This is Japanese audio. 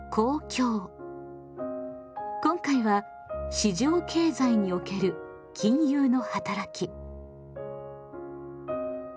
今回は「市場経済における金融の働き」。